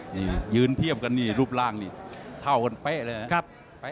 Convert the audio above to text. นี่ยืนเทียบกันนี่รูปร่างนี่เท่ากันเป๊ะเลย